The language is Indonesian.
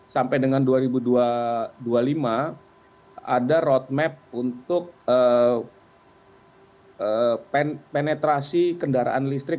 sampai dengan dua ribu dua puluh lima ada roadmap untuk penetrasi kendaraan listrik